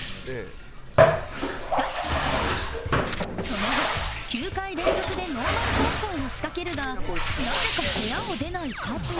その後９回連続でノーマルコンコンを仕掛けるがなぜか部屋を出ない加藤